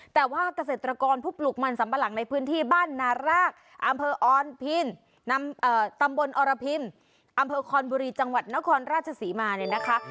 แต่ว่าเกษตรกรผู้ปลูกมันสัมปะหลังในพื้นที่บ้านนารากอำเภอออนพินนำตำบลอรพินอำเภอคอนบุรีจังหวัดนครราชศรีมาเนี่ยนะคะ